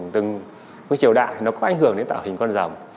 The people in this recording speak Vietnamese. triều đạo nó có ảnh hưởng đến tạo hình con rồng